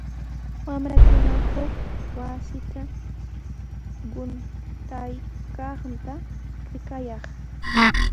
Wamrakuna huk wasita quntaykaqta rikayaanaq.